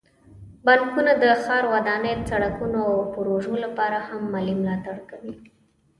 بانکونه د ښاري ودانۍ، سړکونو، او پروژو لپاره هم مالي ملاتړ کوي.